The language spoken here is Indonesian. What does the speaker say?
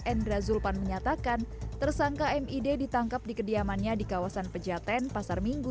endra zulpan menyatakan tersangka mid ditangkap di kediamannya di kawasan pejaten pasar minggu